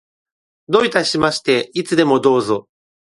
どういたしまして。いつでもどうぞ。